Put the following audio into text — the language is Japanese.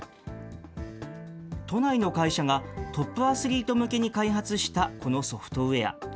都内の会社が、トップアスリート向けに開発したこのソフトウエア。